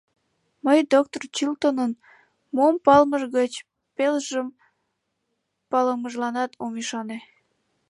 — Мый доктыр Чилтонын мом палымыж гыч пелыжым палымыжланат ом ӱшане.